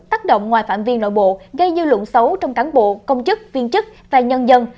tác động ngoài phạm vi nội bộ gây dư luận xấu trong cán bộ công chức viên chức và nhân dân